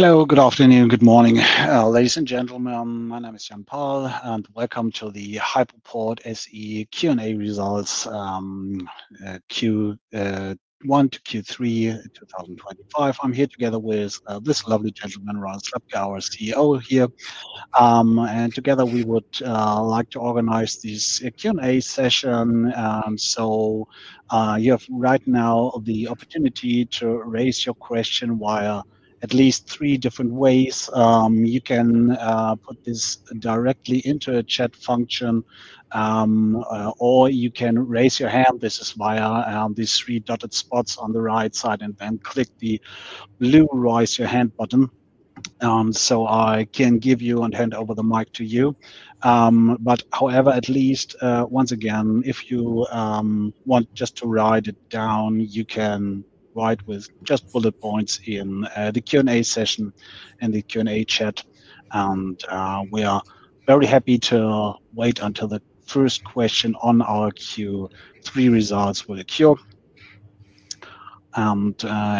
Hello, good afternoon, good morning. Ladies and gentlemen, my name is Jan Pahl, and welcome to the Hypoport SE Q&A results, Q1 to Q3 in 2025. I'm here together with this lovely gentleman, Ronald Slabke, our CEO here. Together we would like to organize this Q&A session. You have right now the opportunity to raise your question via at least three different ways. You can put this directly into a chat function, or you can raise your hand. This is via these three dotted spots on the right side, and then click the blue raise your hand button. I can give you and hand over the mic to you. However, at least, once again, if you want just to write it down, you can write with just bullet points in the Q&A session and the Q&A chat. We are very happy to wait until the first question on our Q3 results will occur.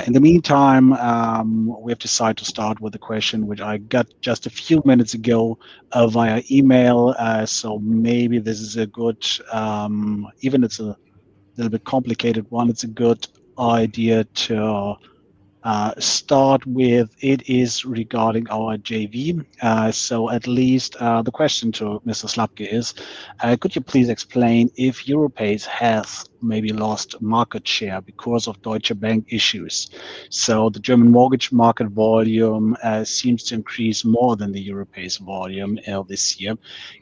In the meantime, we have decided to start with a question which I got just a few minutes ago via email. Maybe this is a good, even if it's a little bit complicated one, it's a good idea to start with. It is regarding our JV. At least, the question to Mr. Slabke is, could you please explain if Europace has maybe lost market share because of Deutsche Bank issues? The German mortgage market volume seems to increase more than the Europace volume this year.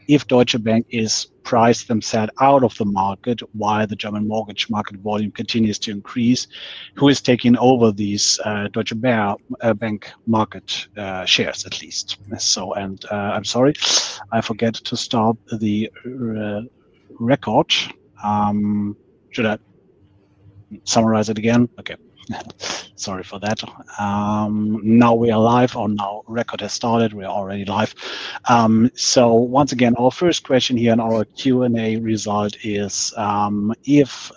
If Deutsche Bank has priced themselves out of the market while the German mortgage market volume continues to increase, who is taking over these Deutsche Bank market shares at least? I'm sorry, I forget to stop the record. Should I summarize it again? Okay. Sorry for that. Now we are live or now record has started. We are already live. Once again, our first question here in our Q&A result is, if,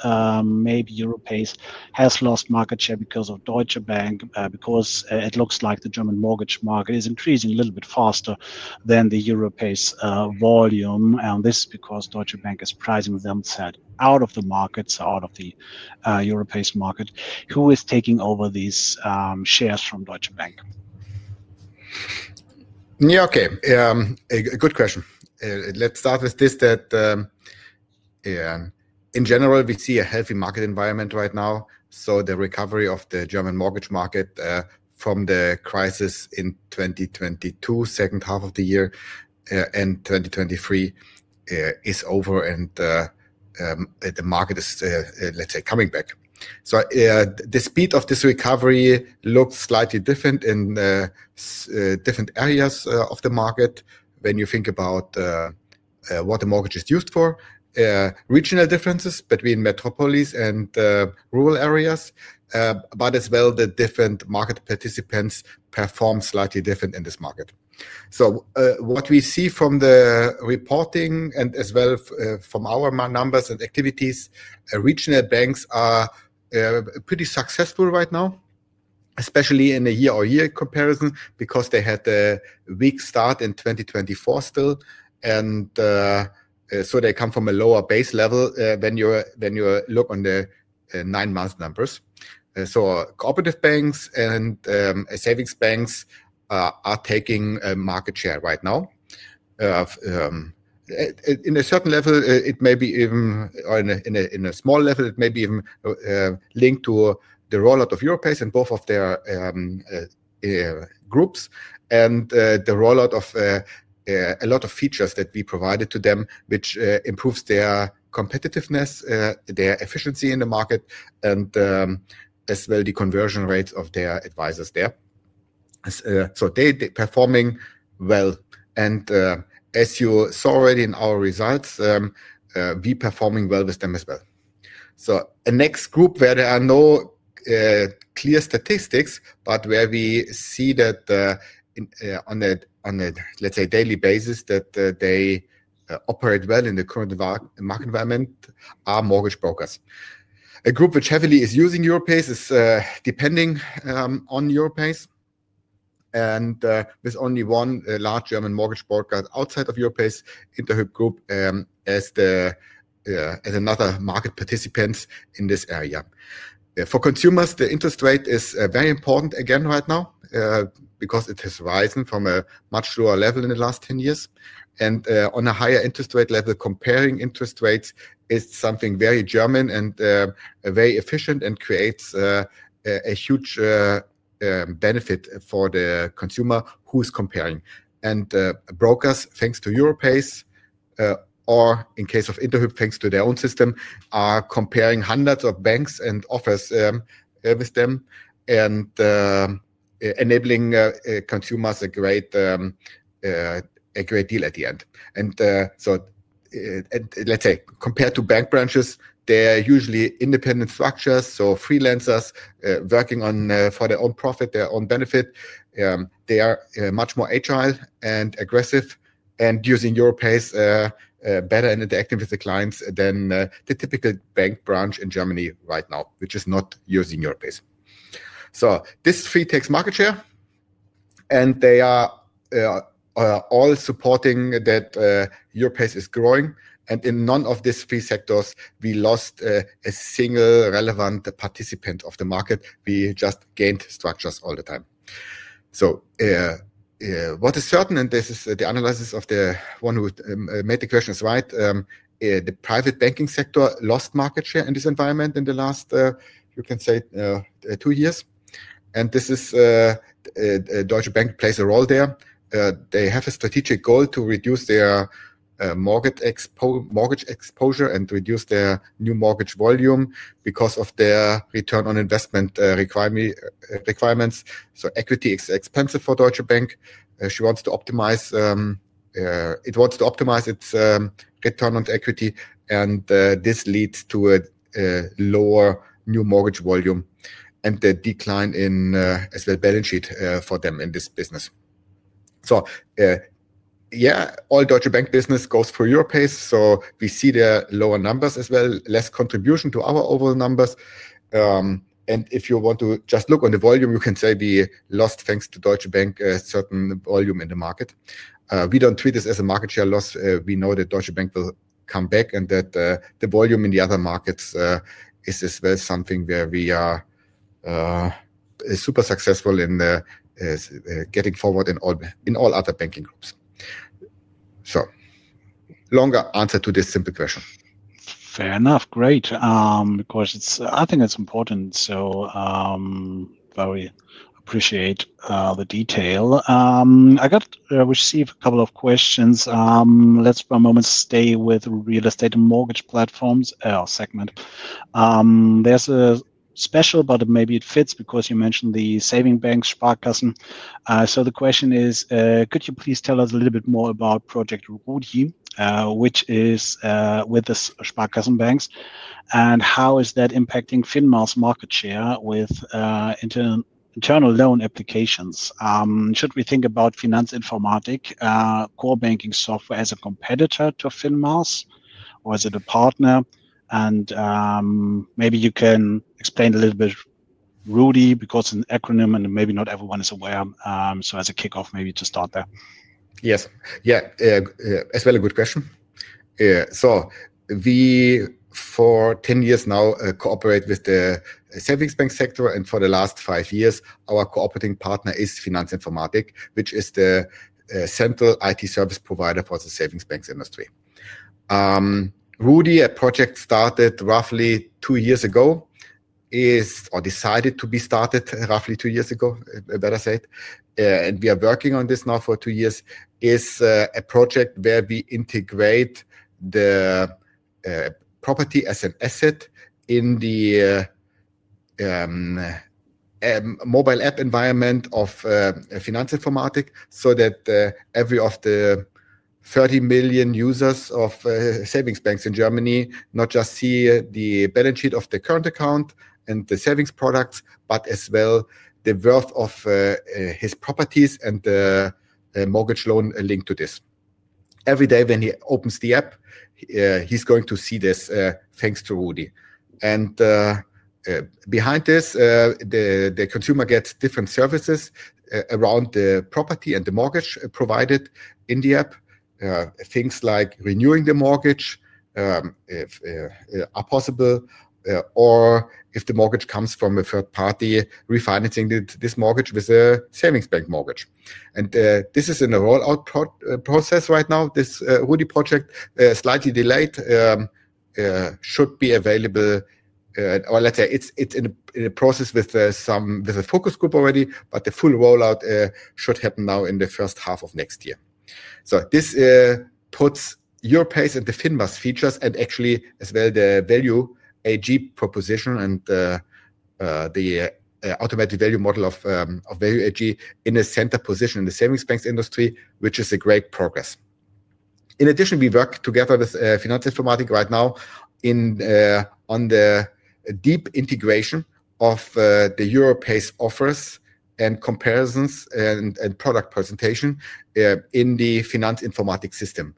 maybe Europace has lost market share because of Deutsche Bank, because it looks like the German mortgage market is increasing a little bit faster than the Europace volume. This is because Deutsche Bank is pricing themselves out of the market, so out of the Europace market. Who is taking over these shares from Deutsche Bank? Yeah, okay. A good question. Let's start with this that, in general, we see a healthy market environment right now. The recovery of the German mortgage market, from the crisis in 2022, second half of the year, and 2023, is over and the market is, let's say, coming back. The speed of this recovery looks slightly different in different areas of the market when you think about what the mortgage is used for, regional differences between metropolis and rural areas, but as well the different market participants perform slightly different in this market. What we see from the reporting and as well from our numbers and activities, regional banks are pretty successful right now, especially in a year-on-year comparison because they had a weak start in 2024 still. They come from a lower base level when you look on the nine months numbers. Cooperative banks and savings banks are taking a market share right now. In a certain level, it may be even, or in a small level, it may be even linked to the rollout of Europace in both of their groups and the rollout of a lot of features that we provided to them, which improves their competitiveness, their efficiency in the market, and as well the conversion rates of their advisors there. They are performing well. As you saw already in our results, we are performing well with them as well. A next group where there are no clear statistics, but where we see that, on the, let's say, daily basis, they operate well in the current market environment are mortgage brokers. A group which heavily is using Europace, is depending on Europace, and with only one large German mortgage broker outside of Europace in the group, as another market participant in this area. For consumers, the interest rate is very important again right now, because it has risen from a much lower level in the last 10 years. On a higher interest rate level, comparing interest rates is something very German and very efficient and creates a huge benefit for the consumer who's comparing. Brokers, thanks to Europace, or in case of Interhyp, thanks to their own system, are comparing hundreds of banks and offers, enabling consumers a great deal at the end. Compared to bank branches, they are usually independent structures. Freelancers, working for their own profit, their own benefit, are much more agile and aggressive and using Europace better and interacting with the clients than the typical bank branch in Germany right now, which is not using Europace. This takes market share and they are all supporting that Europace is growing. In none of these three sectors have we lost a single relevant participant of the market. We just gained structures all the time. What is certain, and this is the analysis of the one who made the questions right, the private banking sector lost market share in this environment in the last, you can say, two years. Deutsche Bank plays a role there. They have a strategic goal to reduce their mortgage exposure and reduce their new mortgage volume because of their return on investment requirements. Equity is expensive for Deutsche Bank. It wants to optimize its return on equity. This leads to a lower new mortgage volume and the decline in, as well, balance sheet for them in this business. All Deutsche Bank business goes for Europace. We see the lower numbers as well, less contribution to our overall numbers. If you want to just look on the volume, you can say we lost, thanks to Deutsche Bank, certain volume in the market. We don't treat this as a market share loss. We know that Deutsche Bank will come back and that the volume in the other markets is as well something where we are super successful in getting forward in all, in all other banking groups. Longer answer to this simple question. Fair enough. Great. Because it's, I think it's important. So, very appreciate the detail. I got, received a couple of questions. Let's for a moment stay with real estate and mortgage platforms segment. There's a special, but maybe it fits because you mentioned the saving bank, Sparkassen. The question is, could you please tell us a little bit more about Project Rudi, which is with the Sparkassen banks and how is that impacting Finmas market share with internal, internal loan applications? Should we think about Finanz Informatik core banking software as a competitor to Finmas or as a partner? And maybe you can explain a little bit Rudi because an acronym and maybe not everyone is aware. As a kickoff, maybe to start there. Yes. Yeah. As well a good question. So we for 10 years now, cooperate with the savings bank sector. And for the last five years, our cooperating partner is Finanz Informatik, which is the central IT service provider for the savings banks industry. Rudi at Project started roughly two years ago is, or decided to be started roughly two years ago, better said. And we are working on this now for two years is, a project where we integrate the property as an asset in the mobile app environment of Finanz Informatik so that every of the 30 million users of savings banks in Germany not just see the balance sheet of the current account and the savings products, but as well the worth of his properties and the mortgage loan linked to this. Every day when he opens the app, he's going to see this, thanks to Rudi. Behind this, the consumer gets different services around the property and the mortgage provided in the app. Things like renewing the mortgage are possible, or if the mortgage comes from a third party, refinancing this mortgage with a savings bank mortgage. This is in the rollout process right now. This Rudi project, slightly delayed, should be available, or let's say it's in a process with a focus group already, but the full rollout should happen now in the first half of next year. This puts Europace and the Finmas features and actually as well the Value AG proposition and the automatic value model of Value AG in a center position in the savings banks industry, which is a great progress. In addition, we work together with Finanz Informatik right now on the deep integration of the Europace offers and comparisons and product presentation in the Finanz Informatik system.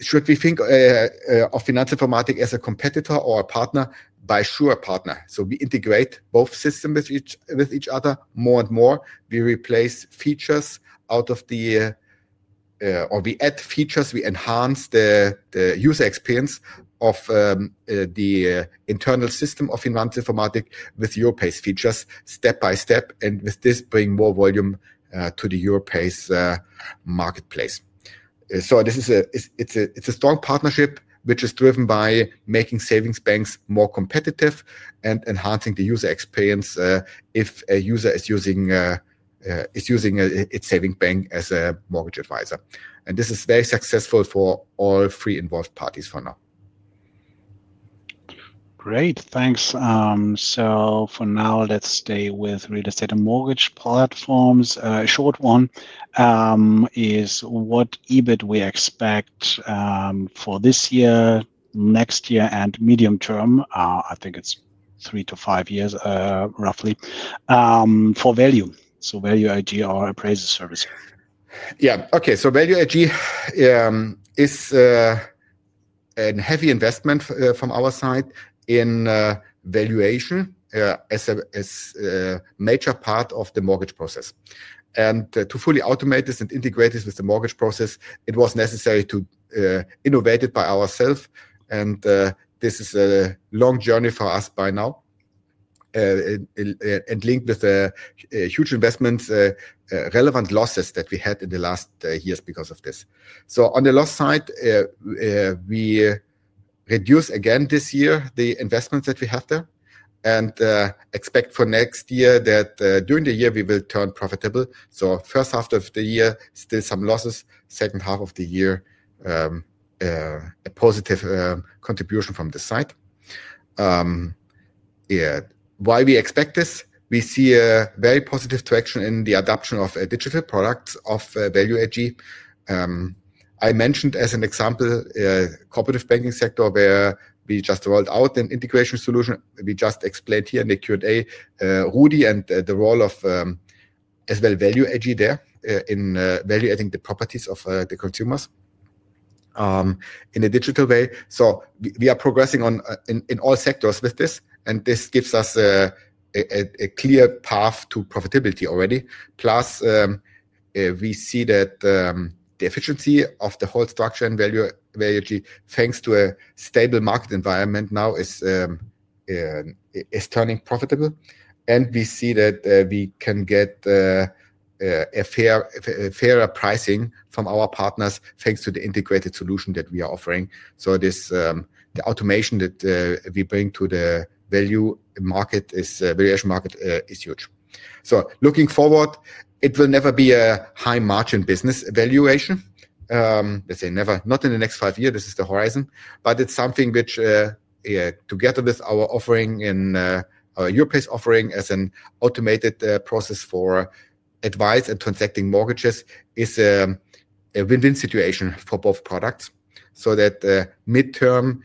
Should we think of Finanz Informatik as a competitor or a partner? By sure, partner. We integrate both systems with each other more and more. We replace features out of the, or we add features, we enhance the user experience of the internal system of Finanz Informatik with Europace features step by step and with this bring more volume to the Europace marketplace. This is a strong partnership which is driven by making savings banks more competitive and enhancing the user experience. If a user is using its saving bank as a mortgage advisor. This is very successful for all three involved parties for now. Great. Thanks. For now, let's stay with real estate and mortgage platforms. A short one, is what EBIT we expect for this year, next year, and medium term. I think it's three to five years, roughly, for Value AG or appraisal service. Yeah. Okay. So Value AG is a heavy investment from our side in valuation as a major part of the mortgage process. To fully automate this and integrate this with the mortgage process, it was necessary to innovate it by ourself. This is a long journey for us by now, and linked with huge investments, relevant losses that we had in the last years because of this. On the loss side, we reduce again this year the investments that we have there and expect for next year that during the year we will turn profitable. First half of the year, still some losses, second half of the year, a positive contribution from the side. Why we expect this, we see a very positive traction in the adoption of a digital product of Value AG. I mentioned as an example, cooperative banking sector where we just rolled out an integration solution. We just explained here in the Q&A, Rudi and the role of, as well Value AG there, in, Valu, I think the properties of, the consumers, in a digital way. We are progressing on in all sectors with this. This gives us a clear path to profitability already. Plus, we see that the efficiency of the whole structure and Value AG, thanks to a stable market environment now, is turning profitable. We see that we can get a fair, fairer pricing from our partners thanks to the integrated solution that we are offering. The automation that we bring to the valuation market is huge. Looking forward, it will never be a high margin business, valuation. Let's say never, not in the next five years. This is the horizon, but it's something which, together with our offering and our Europace offering as an automated process for advice and transacting mortgages, is a win-win situation for both products. That midterm,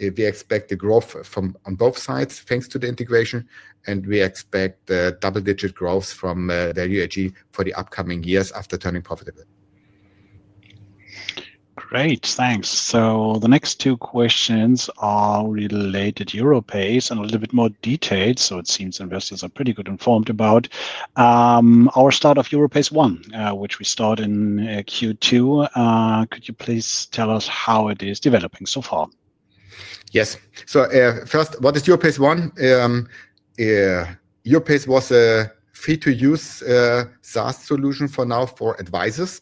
we expect the growth from on both sides thanks to the integration. We expect the double-digit growth from Value AG for the upcoming years after turning profitable. Great. Thanks. The next two questions are related to Europace and a little bit more detailed. It seems investors are pretty good informed about our start of Europace One, which we start in Q2. Could you please tell us how it is developing so far? Yes. First, what is Europace One? Europace was a free-to-use SaaS solution for now for advisors.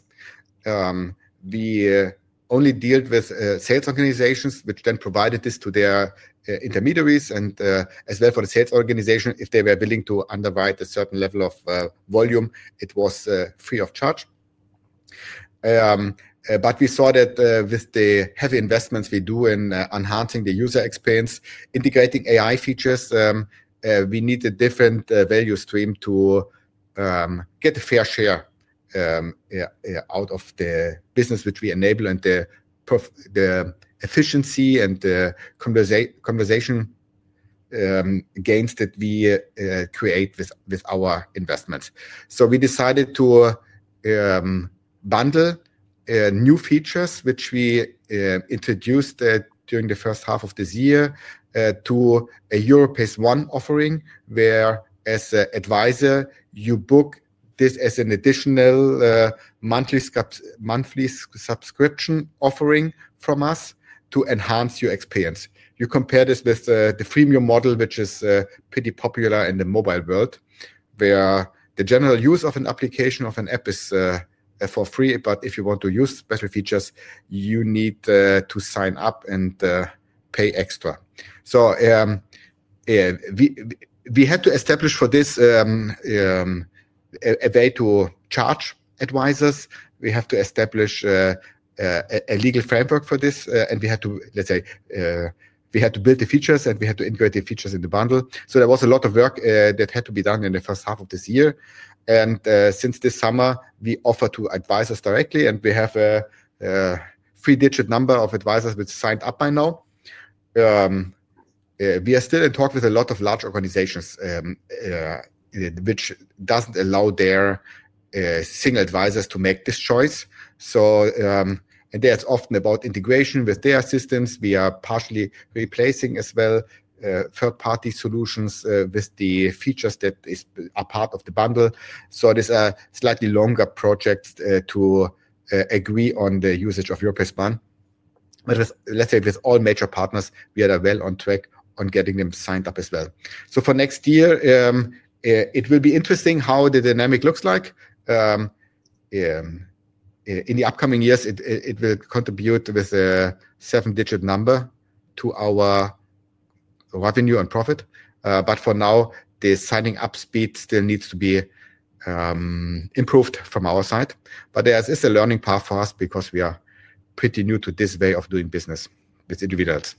We only deal with sales organizations, which then provided this to their intermediaries and, as well, for the sales organization, if they were willing to underwrite a certain level of volume, it was free of charge. We saw that, with the heavy investments we do in enhancing the user experience, integrating AI features, we need a different value stream to get a fair share out of the business, which we enable and the efficiency and the conversation gains that we create with our investments. We decided to bundle new features, which we introduced during the first half of this year, to a Europace One offering where, as an advisor, you book this as an additional monthly subscription offering from us to enhance your experience. You compare this with the freemium model, which is pretty popular in the mobile world, where the general use of an application, of an app, is for free. If you want to use better features, you need to sign up and pay extra. We had to establish for this a way to charge advisors. We have to establish a legal framework for this, and we had to, let's say, we had to build the features and we had to integrate the features in the bundle. There was a lot of work that had to be done in the first half of this year. Since this summer, we offer to advisors directly and we have a three-digit number of advisors which signed up by now. We are still in talk with a lot of large organizations, which does not allow their single advisors to make this choice. That is often about integration with their systems. We are partially replacing as well third-party solutions with the features that are part of the bundle. It is a slightly longer project to agree on the usage of Europace One. Let's say with all major partners, we are well on track on getting them signed up as well. For next year, it will be interesting how the dynamic looks like. In the upcoming years, it will contribute with a seven-digit number to our revenue and profit. For now, the signing up speed still needs to be improved from our side. There is a learning path for us because we are pretty new to this way of doing business with individuals.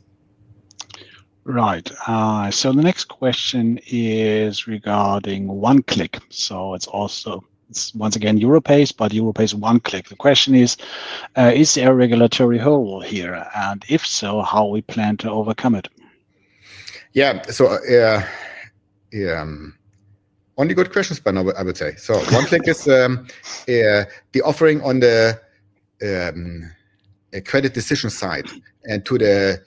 Right. The next question is regarding OneClick. It's also, it's once again Europace, but Europace OneClick. The question is, is there a regulatory hole here? And if so, how do we plan to overcome it? Yeah. Only good questions by now, I would say. OneClick is the offering on the credit decision side and to the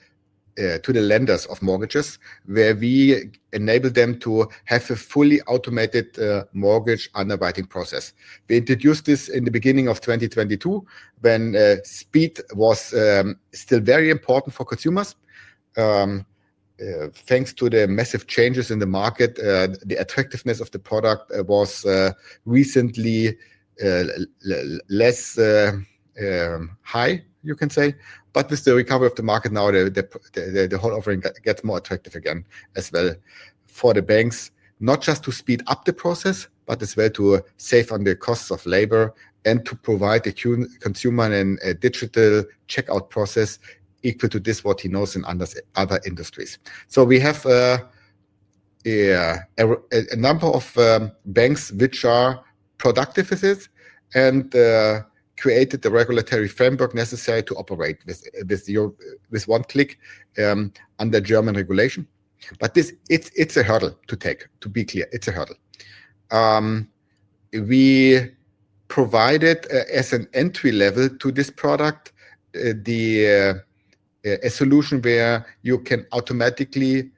lenders of mortgages where we enable them to have a fully automated mortgage underwriting process. We introduced this in the beginning of 2022 when the speed was still very important for consumers. Thanks to the massive changes in the market, the attractiveness of the product was recently less high, you can say. With the recovery of the market now, the whole offering gets more attractive again as well for the banks, not just to speed up the process, but as well to save on the costs of labor and to provide the consumer a digital checkout process equal to this, what he knows in other industries. We have a number of banks which are productive with this and created the regulatory framework necessary to operate with OneClick under German regulation. This is a hurdle to take, to be clear. It is a hurdle. We provided as an entry level to this product a solution where you can automatically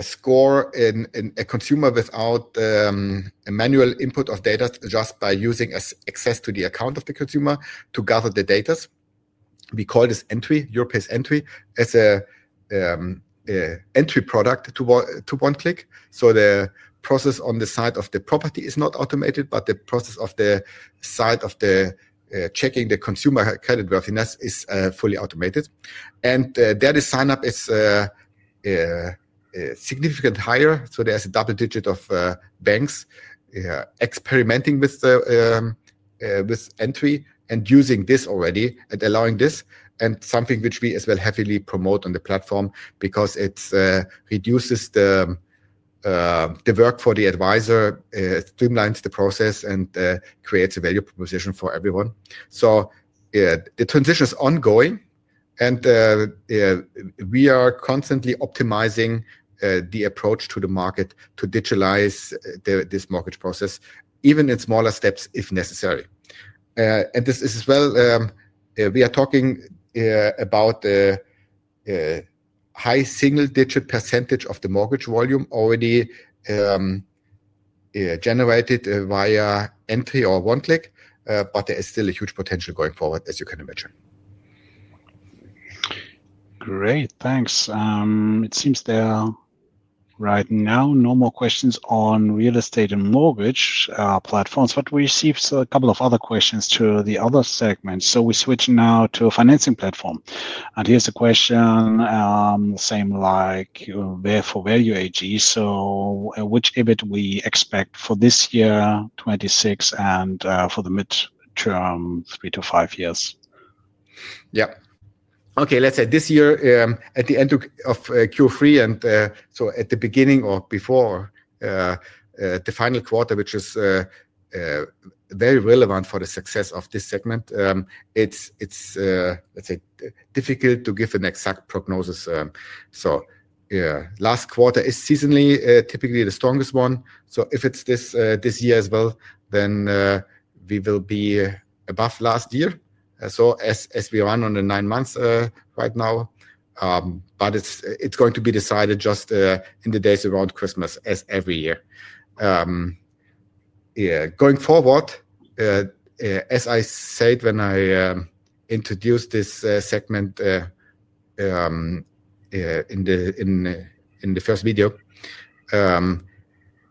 score a consumer without manual input of data just by using access to the account of the consumer to gather the data. We call this entry, Europe's entry as an entry product to OneClick. The process on the side of the property is not automated, but the process on the side of checking the consumer creditworthiness is fully automated. Signup is significantly higher. There is a double digit of banks experimenting with entry and using this already and allowing this and something which we as well heavily promote on the platform because it reduces the work for the advisor, streamlines the process, and creates a value proposition for everyone. The transition is ongoing and we are constantly optimizing the approach to the market to digitalize this mortgage process even in smaller steps if necessary. This is as well, we are talking about the high single-digit percentage of the mortgage volume already generated via entry or OneClick, but there is still a huge potential going forward as you can imagine. Great. Thanks. It seems there are right now no more questions on real estate and mortgage platforms, but we received a couple of other questions to the other segment. We switch now to a financing platform. Here's a question, same like where for Value AG. Which EBIT we expect for this year, 2026, and for the midterm, three to five years? Yep. Okay. Let's say this year, at the end of Q3 and, so at the beginning or before the final quarter, which is very relevant for the success of this segment, it's, let's say, difficult to give an exact prognosis. Last quarter is seasonally, typically the strongest one. If it's this year as well, then we will be above last year. As we run on the nine months right now, but it's going to be decided just in the days around Christmas as every year. Yeah, going forward, as I said when I introduced this segment in the first video,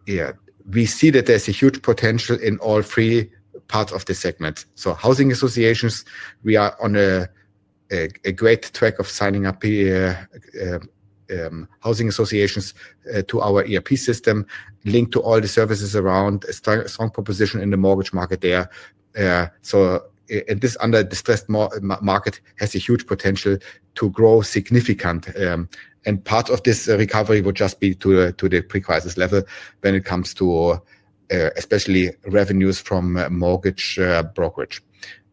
yeah, we see that there's a huge potential in all three parts of the segment. Housing associations, we are on a great track of signing up housing associations to our ERP system linked to all the services around a strong proposition in the mortgage market there. This under distressed market has a huge potential to grow significantly. Part of this recovery would just be to the pre-crisis level when it comes to, especially, revenues from mortgage brokerage.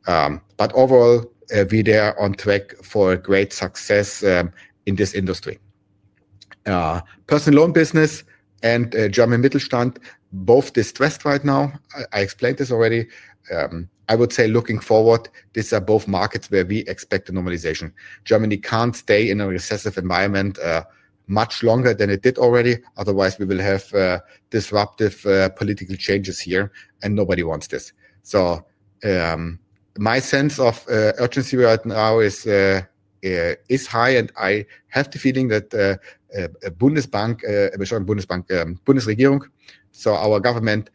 Overall, we are on track for a great success in this industry. Personal loan business and German Mittelstand, both distressed right now. I explained this already. I would say looking forward, these are both markets where we expect a normalization. Germany cannot stay in a recessive environment much longer than it did already. Otherwise, we will have disruptive political changes here and nobody wants this. My sense of urgency right now is high and I have the feeling that Bundesbank, Bundesregierung, so our government,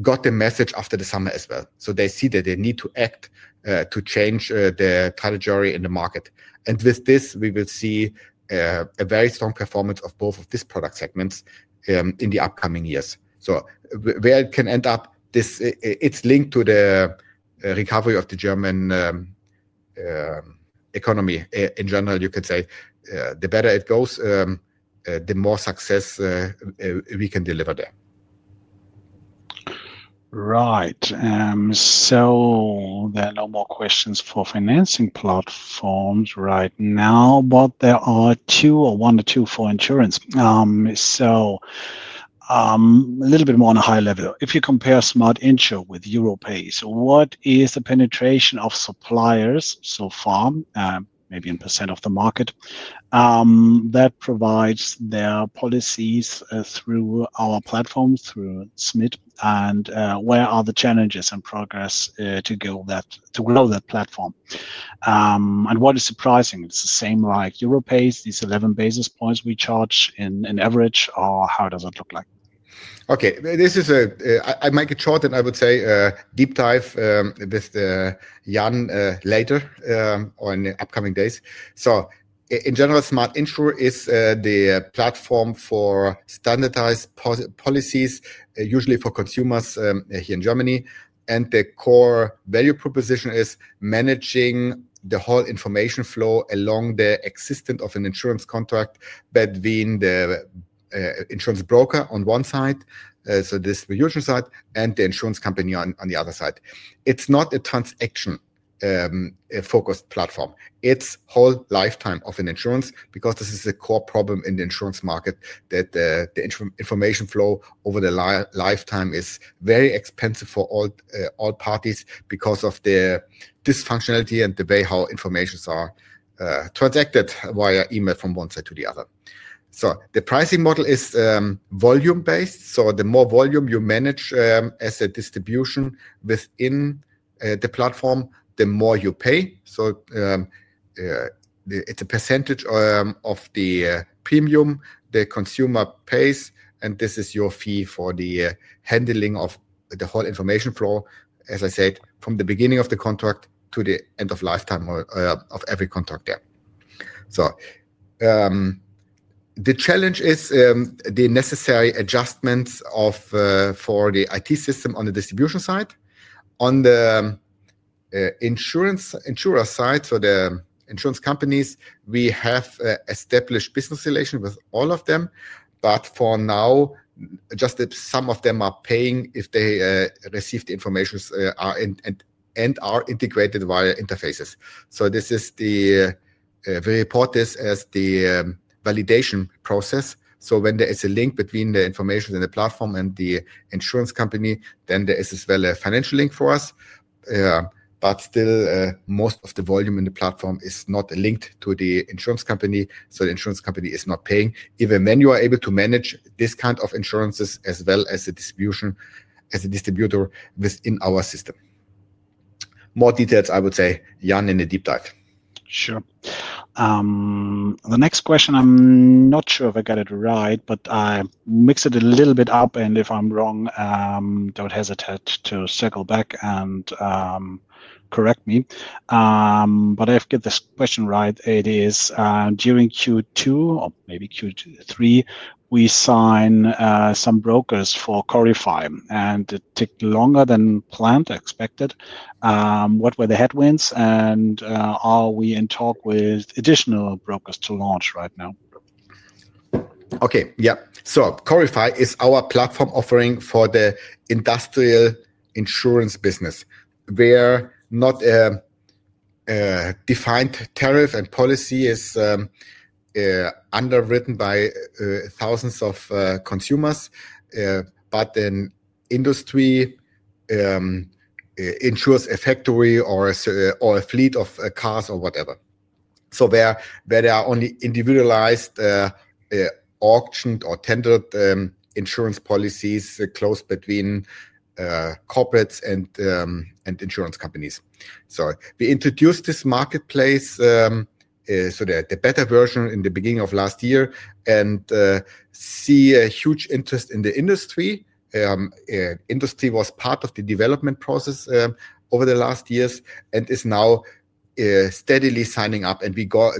got the message after the summer as well. They see that they need to act to change the trajectory in the market. With this, we will see a very strong performance of both of these product segments in the upcoming years. Where it can end up, this, it's linked to the recovery of the German economy in general, you could say, the better it goes, the more success we can deliver there. Right. So there are no more questions for financing platforms right now, but there are one or two for insurance. So, a little bit more on a high level. If you compare Smart Insure with Europace, what is the penetration of suppliers so far, maybe in percent of the market, that provides their policies through our platform, through SMID? And, where are the challenges and progress to grow that platform? And what is surprising? It's the same like Europace, these 11 basis points we charge in average or how does it look like? Okay. This is a, I make a short and I would say, deep dive, with, Jan, later, or in the upcoming days. In general, Smart Insure is the platform for standardized policies, usually for consumers, here in Germany. The core value proposition is managing the whole information flow along the existence of an insurance contract between the insurance broker on one side, so this reunion side, and the insurance company on the other side. It's not a transaction-focused platform. It's whole lifetime of an insurance because this is a core problem in the insurance market that the information flow over the lifetime is very expensive for all parties because of the dysfunctionality and the way how informations are transacted via email from one side to the other. The pricing model is volume based. The more volume you manage, as a distribution within the platform, the more you pay. It's a percentage of the premium the consumer pays. This is your fee for the handling of the whole information flow, as I said, from the beginning of the contract to the end of lifetime of every contract there. The challenge is the necessary adjustments for the IT system on the distribution side. On the insurance company side, we have established business relations with all of them, but for now, just some of them are paying if they receive the information and are integrated via interfaces. We report this as the validation process. When there is a link between the information and the platform and the insurance company, then there is as well a financial link for us. Still, most of the volume in the platform is not linked to the insurance company. The insurance company is not paying even when you are able to manage this kind of insurances as well as a distribution as a distributor within our system. More details, I would say, Jan, in a deep dive. Sure. The next question, I'm not sure if I got it right, but I mixed it a little bit up. If I'm wrong, don't hesitate to circle back and correct me. If I get this question right, it is, during Q2 or maybe Q3, we sign some brokers for Corify and it took longer than planned or expected. What were the headwinds, and are we in talk with additional brokers to launch right now? Okay. Yep. Corify is our platform offering for the industrial insurance business where not a defined tariff and policy is underwritten by thousands of consumers, but then industry insures a factory or a fleet of cars or whatever. Where there are only individualized, auctioned or tendered insurance policies closed between corporates and insurance companies. We introduced this marketplace, the beta version in the beginning of last year and see a huge interest in the industry. Industry was part of the development process over the last years and is now steadily signing up and we got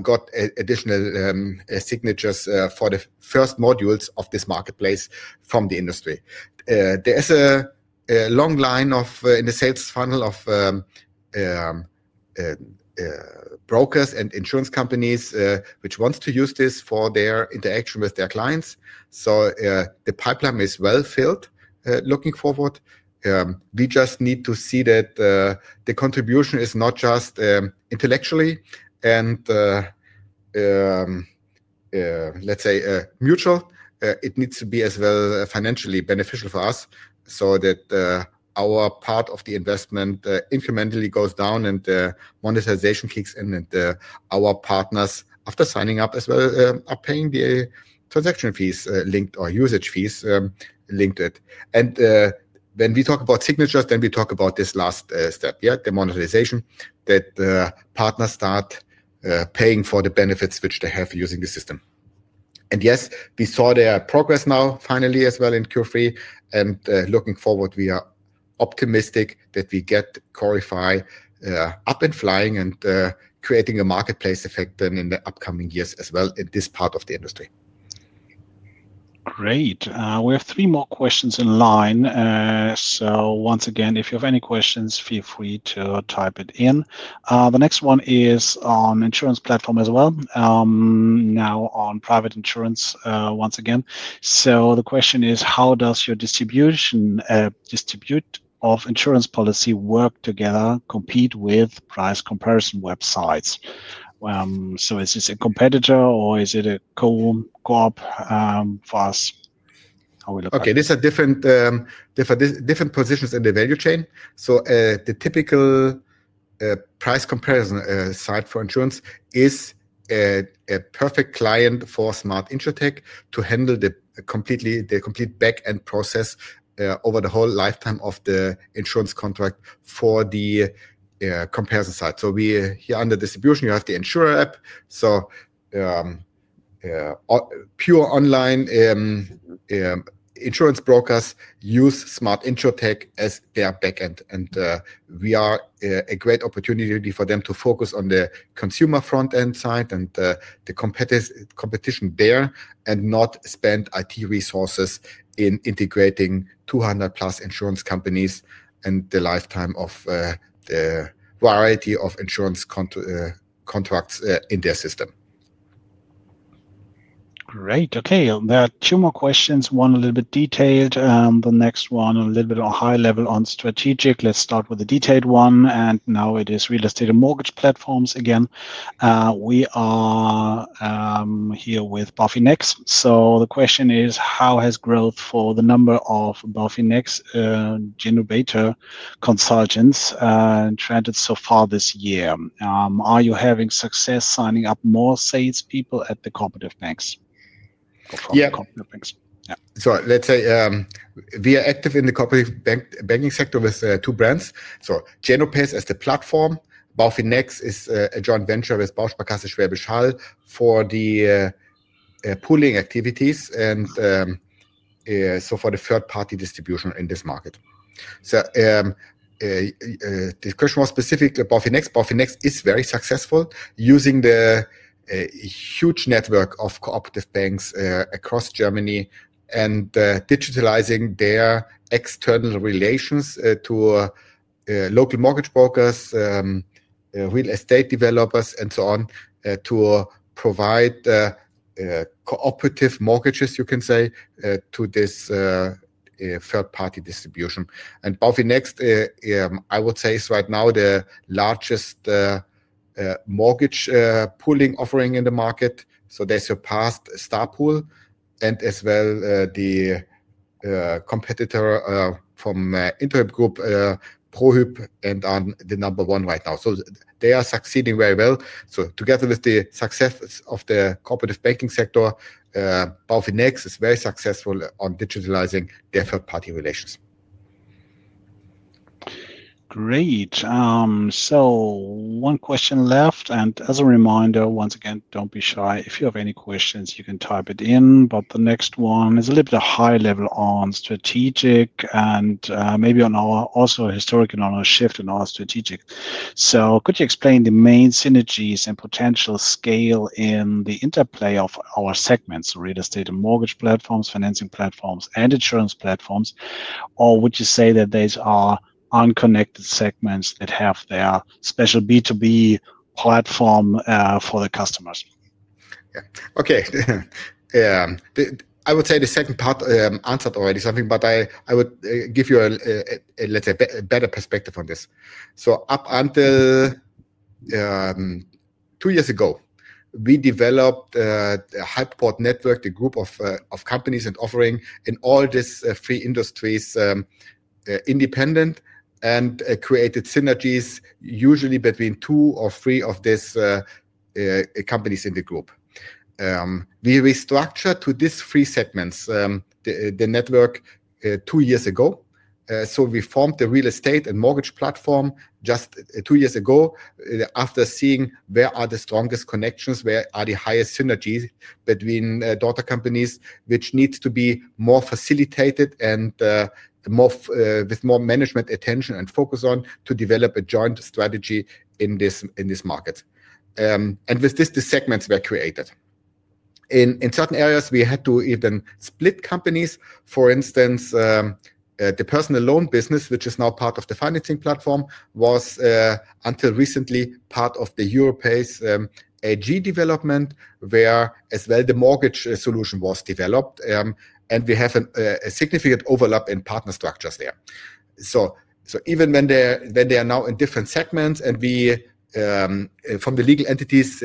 additional signatures for the first modules of this marketplace from the industry. There is a long line in the sales funnel of brokers and insurance companies which wants to use this for their interaction with their clients. The pipeline is well filled, looking forward. We just need to see that the contribution is not just intellectually and, let's say, mutual. It needs to be as well financially beneficial for us so that our part of the investment incrementally goes down and monetization kicks in and our partners, after signing up as well, are paying the transaction fees, linked or usage fees, linked to it. When we talk about signatures, then we talk about this last step, the monetization that partners start paying for the benefits which they have using the system. Yes, we saw their progress now finally as well in Q3 and, looking forward, we are optimistic that we get Corify up and flying and creating a marketplace effect then in the upcoming years as well in this part of the industry. Great. We have three more questions in line. Once again, if you have any questions, feel free to type it in. The next one is on insurance platform as well. Now on private insurance, once again. The question is, how does your distribution, distribute of insurance policy work together, compete with price comparison websites? Is this a competitor or is it a co-op, for us? How are we looking? Okay. These are different positions in the value chain. The typical price comparison site for insurance is a perfect client for Smart InsurTech to handle the complete backend process over the whole lifetime of the insurance contract for the comparison site. Here under distribution, you have the insurer app. Pure online insurance brokers use Smart InsurTech as their backend. We are a great opportunity for them to focus on the consumer front end side and the competition there and not spend IT resources in integrating 200+ insurance companies and the lifetime of the variety of insurance contracts in their system. Great. Okay. There are two more questions. One a little bit detailed and the next one a little bit on high level on strategic. Let's start with the detailed one. Now it is real estate and mortgage platforms again. We are here with BuddyNext. The question is, how has growth for the number of BuddyNext GenoBeta consultants trended so far this year? Are you having success signing up more salespeople at the cooperative banks? Yeah. Cooperative banks. Yeah. Let's say, we are active in the cooperative banking sector with two brands. So Genopay as the platform, BuddyNext is a joint venture with Bausparkasse Schwäbisch Hall for the pooling activities and for the third party distribution in this market. The question was specifically BuddyNext. BuddyNext is very successful using the huge network of cooperative banks across Germany and digitalizing their external relations to local mortgage brokers, real estate developers and so on, to provide cooperative mortgages, you can say, to this third party distribution. BuddyNext, I would say, is right now the largest mortgage pooling offering in the market. They surpassed Starpool and as well the competitor from Interhyp Group, ProHub, and are the number one right now. They are succeeding very well. Together with the success of the corporate banking sector, BuddyNext is very successful on digitalizing their third party relations. Great. One question left. As a reminder, once again, do not be shy. If you have any questions, you can type it in. The next one is a little bit of high level on strategic and maybe on our also historic and on our shift and our strategic. Could you explain the main synergies and potential scale in the interplay of our segments, real estate and mortgage platforms, financing platforms, and insurance platforms? Would you say that these are unconnected segments that have their special B2B platform for the customers? Yeah. Okay. I would say the second part, answered already something, but I would give you a, let's say, better perspective on this. Up until two years ago, we developed a Hypoport network, the group of companies and offering in all these three industries, independent and created synergies usually between two or three of these companies in the group. We restructured to these three segments, the network, two years ago. We formed the real estate and mortgage platform just two years ago after seeing where are the strongest connections, where are the highest synergies between daughter companies, which need to be more facilitated and with more management attention and focus on to develop a joint strategy in this market. With this, the segments were created. In certain areas, we had to even split companies. For instance, the personal loan business, which is now part of the financing platform, was, until recently, part of the Europace AG development, where as well the mortgage solution was developed. We have a significant overlap in partner structures there. Even when they are now in different segments and we, from the legal entities,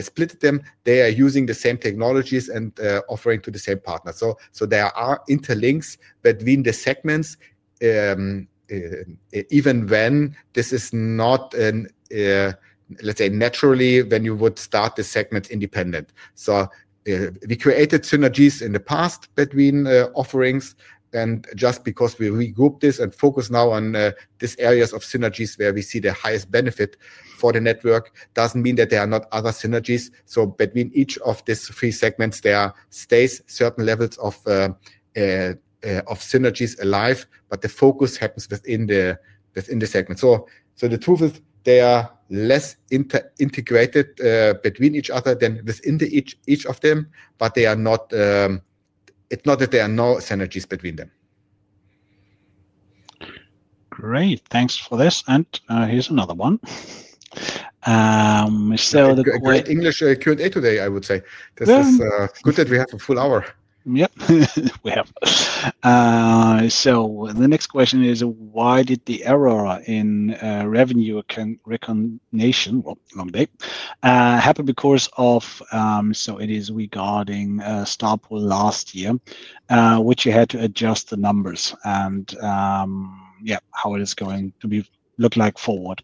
split them, they are using the same technologies and offering to the same partners. There are interlinks between the segments, even when this is not, let's say, naturally when you would start the segments independent. We created synergies in the past between offerings. Just because we regroup this and focus now on these areas of synergies where we see the highest benefit for the network does not mean that there are not other synergies. Between each of these three segments, there stays certain levels of synergies alive, but the focus happens within the segment. The truth is they are less integrated between each other than within each of them, but it is not that there are no synergies between them. Great. Thanks for this. And here's another one. So the. Great English Q&A today, I would say. This is good that we have a full hour. Yep. We have. The next question is, why did the error in revenue recognition, well, long day, happen because of, so it is regarding Starpool last year, which you had to adjust the numbers and, yeah, how it is going to be look like forward.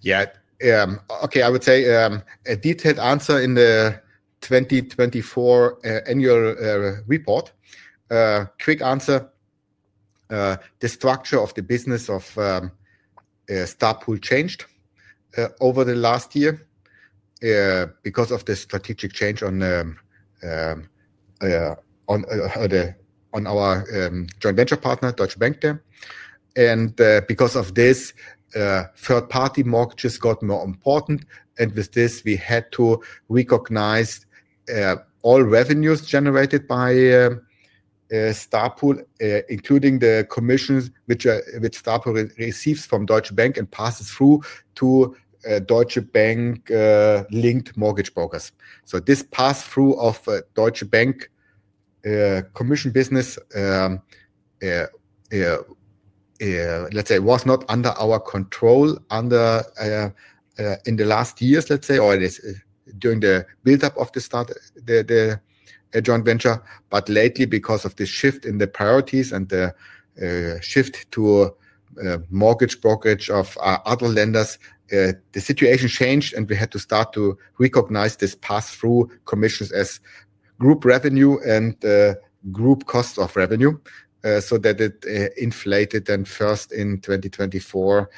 Yeah. Okay. I would say, a detailed answer in the 2024 annual report. Quick answer, the structure of the business of Starpool changed over the last year because of the strategic change on our joint venture partner, Deutsche Bank there. Because of this, third party mortgages got more important. With this, we had to recognize all revenues generated by Starpool, including the commissions which Starpool receives from Deutsche Bank and passes through to Deutsche Bank linked mortgage brokers. This pass through of Deutsche Bank commission business, let's say, was not under our control in the last years, let's say, or it is during the buildup of the joint venture. Lately, because of the shift in the priorities and the shift to mortgage brokerage of other lenders, the situation changed and we had to start to recognize these pass through commissions as group revenue and group cost of revenue, so that it inflated then first in 2024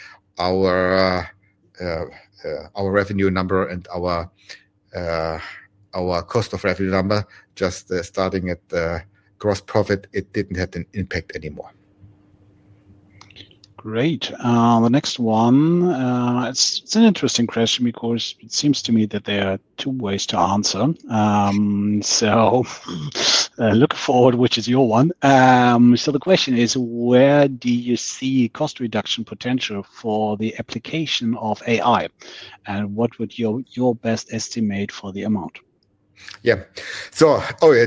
our revenue number and our cost of revenue number. Just starting at gross profit, it did not have an impact anymore. Great. The next one, it's an interesting question because it seems to me that there are two ways to answer. Look forward, which is your one. The question is, where do you see cost reduction potential for the application of AI? And what would your best estimate for the amount? Yeah. Oh yeah,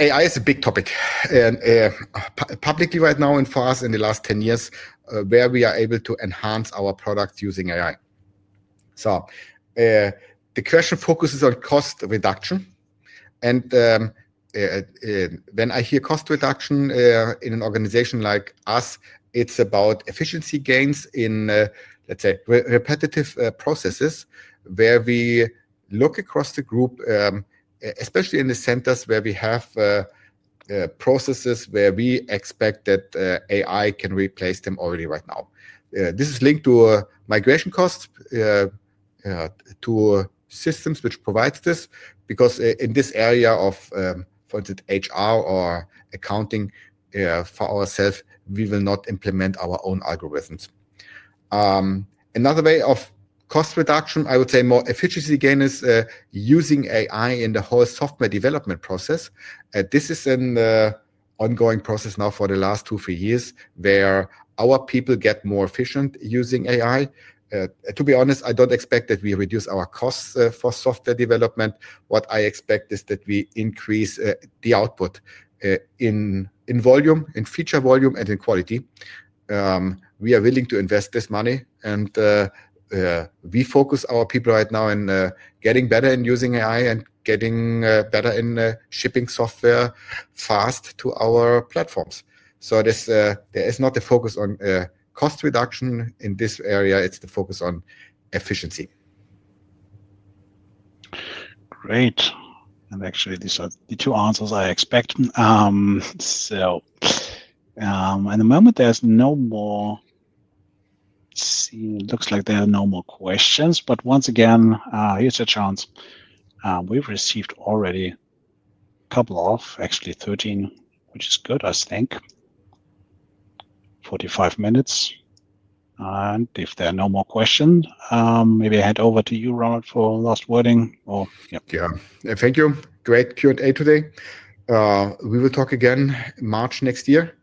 AI is a big topic and, publicly right now for us in the last 10 years, where we are able to enhance our product using AI. The question focuses on cost reduction. When I hear cost reduction, in an organization like us, it's about efficiency gains in, let's say, repetitive processes where we look across the group, especially in the centers where we have processes where we expect that AI can replace them already right now. This is linked to migration costs to systems which provide this because in this area of, for instance, HR or accounting, for ourselves, we will not implement our own algorithms. Another way of cost reduction, I would say more efficiency gain, is using AI in the whole software development process. This is an ongoing process now for the last two, three years where our people get more efficient using AI. To be honest, I don't expect that we reduce our costs for software development. What I expect is that we increase the output, in volume, in feature volume and in quality. We are willing to invest this money and we focus our people right now in getting better in using AI and getting better in shipping software fast to our platforms. There is not a focus on cost reduction in this area. It's the focus on efficiency. Great. Actually, these are the two answers I expect. At the moment, there are no more, see, it looks like there are no more questions, but once again, here's a chance. We've received already a couple of, actually 13, which is good, I think, 45 minutes. If there are no more questions, maybe I hand over to you, Ronald, for last wording or yeah. Yeah. Thank you. Great Q&A today. We will talk again March next year.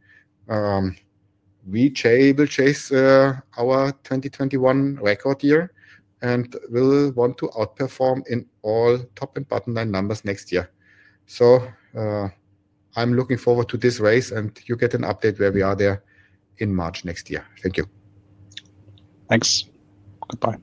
We will chase our 2021 record year and we'll want to outperform in all top and bottom line numbers next year. I'm looking forward to this race and you get an update where we are there in March next year. Thank you. Thanks. Goodbye.